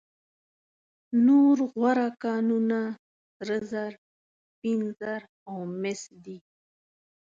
نور غوره کانونه سره زر، سپین زر او مس دي.